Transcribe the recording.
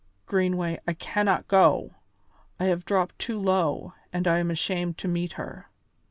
Greenway, I cannot go; I have dropped too low, and I am ashamed to meet her."